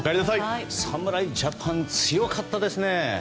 侍ジャパン強かったですね。